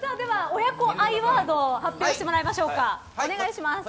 親子愛ワードを発表してもらいましょうか。